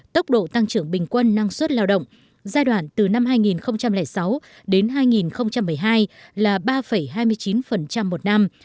tốc độ tăng trưởng bình quân năng suất lao động giai đoạn từ năm hai nghìn sáu đến hai nghìn một mươi hai là ba hai mươi chín một năm